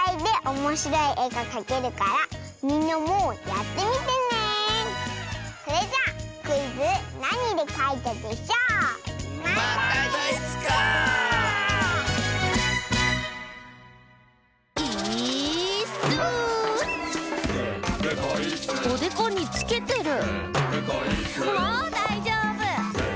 「もうだいじょうぶ！」